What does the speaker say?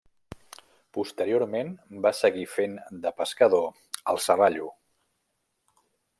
Posteriorment va seguir fent de pescador al Serrallo.